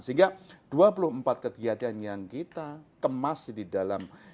sehingga dua puluh empat kegiatan yang kita kemas di dalam